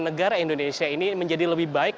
negara indonesia ini menjadi lebih baik